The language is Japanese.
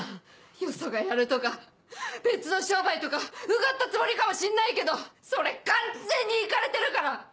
よそがやるとか別の商売とかうがったつもりかもしんないけどそれ完全にイカれてるから！